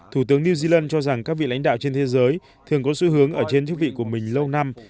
thủ tướng new zealand cho rằng các vị lãnh đạo trên thế giới thường có xu hướng ở trên thiết vị của mình lâu năm